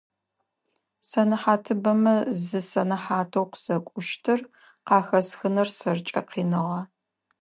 Сэнэхьатыбэмэ зы сэнэхьатэу къысэкӏущтыр къахэсхыныр сэркӏэ къиныгъэ.